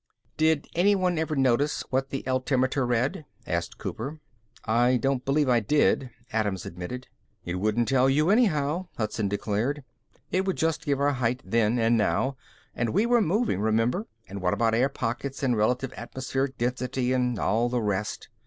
"Did anyone ever notice what the altimeter read?" asked Cooper. "I don't believe I did," Adams admitted. "It wouldn't tell you, anyhow," Hudson declared. "It would just give our height then and now and we were moving, remember and what about air pockets and relative atmosphere density and all the rest?"